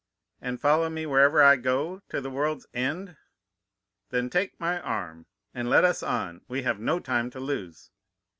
"'And follow me wherever I go?' "'To the world's end.' "'Then take my arm, and let us on; we have no time to lose.